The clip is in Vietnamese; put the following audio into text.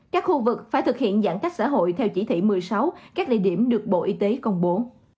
các khu vực phải thực hiện giãn cách xã hội theo chỉ thị một mươi sáu các địa điểm được bộ y tế công bố